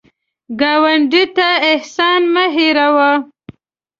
ګاونډي ته احسان مه هېر وهه